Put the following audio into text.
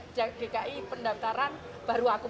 nunggu sampai satu minggu di sini